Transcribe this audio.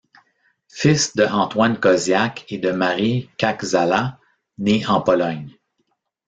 Fils de Antoine Koziak et de Marie Kaczala, nés en Pologne.